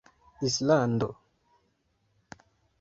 islando